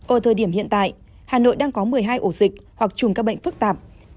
ở thời điểm hiện tại hà nội đang có một mươi hai ổ dịch hoặc chùm các bệnh phức tạp